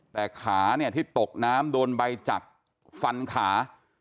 แต่ขาที่ตกน้ำโดนใบจักฟันขา